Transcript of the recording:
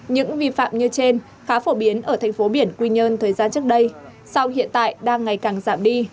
những vi phạm như trên khá phổ biến ở thành phố biển quy nhơn thời gian trước đây sau hiện tại đang ngày càng giảm đi